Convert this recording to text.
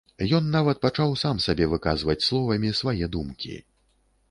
Ён нават пачаў сам сабе выказваць словамі свае думкі.